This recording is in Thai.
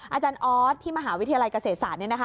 อาจารย์ออสที่มหาวิทยาลัยเกษตรศาสตร์